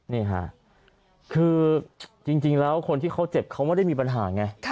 นี่ค่ะคือจริงแล้วคนที่เขาเจ็บเขาไม่ได้มีปัญหาไง